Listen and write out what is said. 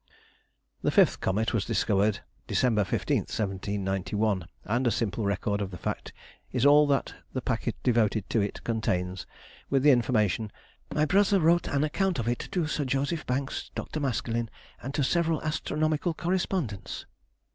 The fifth comet was discovered December 15th, 1791, and a simple record of the fact is all that the packet devoted to it contains, with the information, "My brother wrote an account of it to Sir J. Banks, Dr. Maskelyne, and to several astronomical correspondents."